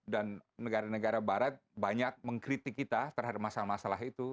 dan negara negara barat banyak mengkritik kita terhadap masalah masalah itu